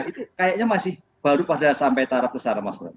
itu kayaknya masih baru pada sampai taraf kesana mas